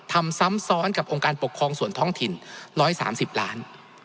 ทำซ้ำซ้อนกับโครงการปกครองส่วนท้องถิ่นร้อยสามสิบล้าน